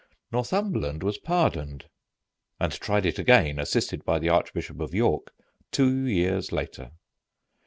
Northumberland was pardoned, and tried it again, assisted by the Archbishop of York, two years later.